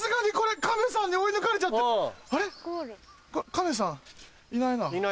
亀さんいないな。